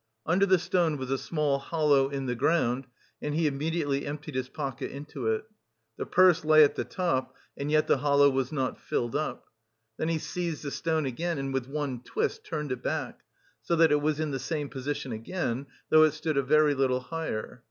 Under the stone was a small hollow in the ground, and he immediately emptied his pocket into it. The purse lay at the top, and yet the hollow was not filled up. Then he seized the stone again and with one twist turned it back, so that it was in the same position again, though it stood a very little higher.